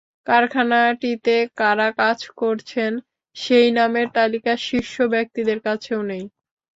কারখানাটিতে কারা কাজ করছেন, সেই নামের তালিকা শীর্ষ ব্যক্তিদের কাছেও নেই।